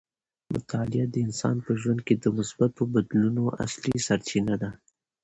مطالعه د انسان په ژوند کې د مثبتو بدلونونو اصلي سرچینه ده.